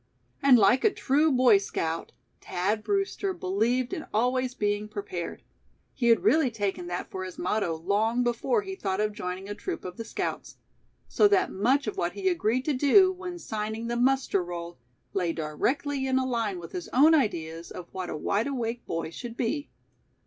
And like a true Boy Scout, Thad Brewster believed in always being prepared. He had really taken that for his motto long before he thought of joining a troop of the scouts; so that much of what he agreed to do when signing the muster roll, lay directly in a line with his own ideas of what a wide awake boy should be.